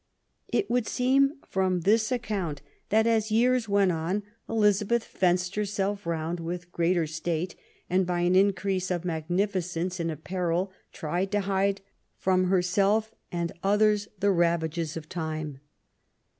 It would seem from this account that, as years 284 QUEEN ELIZABETH, went on, Elizabeth fenced herself round with greater state, and by an increase of magnificence in apparel tried to hide from herself and others the ravages of time.